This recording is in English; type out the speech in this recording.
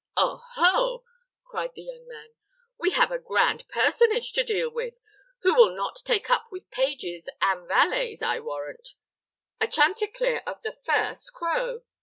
"Oh, ho!" cried the young man, "we have a grand personage to deal with, who will not take up with pages and valets, I warrant; a chanticleer of the first crow!